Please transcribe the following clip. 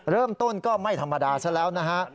เริ่มต้นก็ไม่ธรรมดาซะแล้วนะฮะ